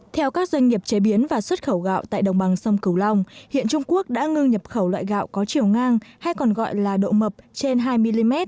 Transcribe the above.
theo các doanh nghiệp chế biến và xuất khẩu gạo tại đồng bằng sông cửu long hiện trung quốc đã ngưng nhập khẩu loại gạo có chiều ngang hay còn gọi là độ mập trên hai mm